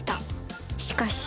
しかし